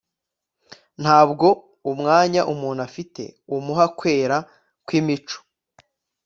ntabwo umwanya umuntu afite umuha kwera kw’imico.